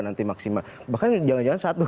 nanti maksimal bahkan jangan jangan satu